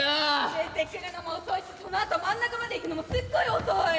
出てくるのも遅いしそのあと真ん中まで行くのもすっごい遅い！